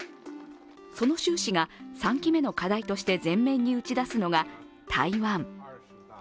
その習氏が３期目の課題として全面的に打ち出すのが台湾。